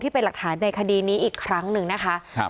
เป็นหลักฐานในคดีนี้อีกครั้งหนึ่งนะคะครับ